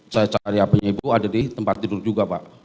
saya cari apanya ibu ada di tempat tidur juga pak